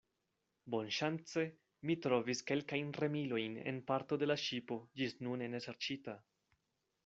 Bonŝance, mi trovis kelkajn remilojn en parto de la ŝipo ĝisnune neserĉita.